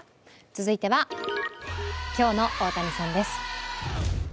続いては、今日の大谷さんです。